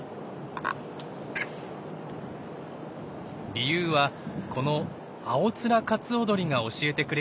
理由はこのアオツラカツオドリが教えてくれました。